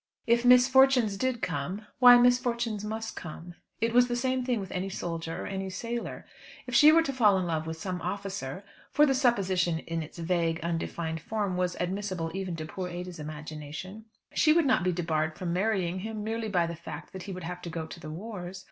If misfortunes did come, why misfortunes must come. It was the same thing with any soldier or any sailor. If she were to fall in love with some officer, for the supposition in its vague, undefined form was admissible even to poor Ada's imagination, she would not be debarred from marrying him merely by the fact that he would have to go to the wars.